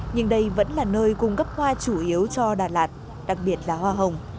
nhưng đây vẫn là nơi cung cấp hoa chủ yếu cho đà lạt đặc biệt là hoa hồng